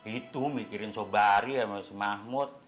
itu mikirin sobari sama se mahmud